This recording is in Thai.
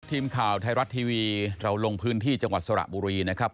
ทีมข่าวไทยรัฐทีวีเราลงพื้นที่จังหวัดสระบุรีนะครับ